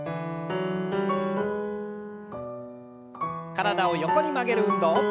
体を横に曲げる運動。